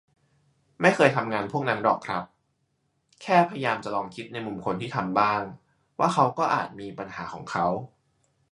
ไม่เคยทำงานพวกนั้นหรอกครับ แค่พยายามจะลองคิดในมุมคนที่ทำบ้าง ว่าเขาก็อาจมี 'ปัญหา' ของเขา